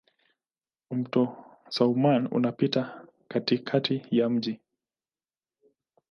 Mto Soummam unapita katikati ya mji.